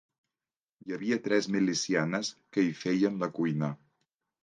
Hi havia tres milicianes que hi feien la cuina.